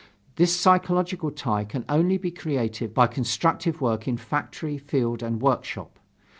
This psychological tie can only be created by constructive work in factory, field and workshop.